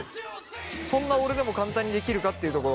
そんな俺でも簡単にできるかっていうところ。